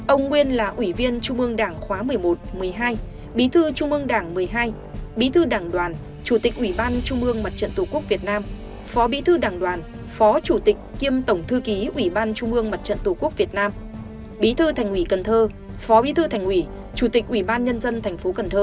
ông nguyên là ủy viên trung ương đảng khóa một mươi một một mươi hai bí thư trung ương đảng một mươi hai bí thư đảng đoàn chủ tịch ủy ban trung ương mặt trận tổ quốc việt nam phó bí thư đảng đoàn phó chủ tịch kiêm tổng thư ký ủy ban trung ương mặt trận tổ quốc việt nam bí thư thành ủy cần thơ phó bí thư thành ủy chủ tịch ủy ban nhân dân thành phố cần thơ